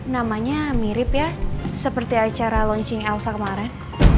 namanya mirip ya seperti acara launching elsa kemarin